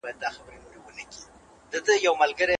خلکو وویل چي سږ کال بارانونه نه دي سوي.